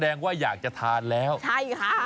ว่าอยากจะทานแล้วใช่ค่ะ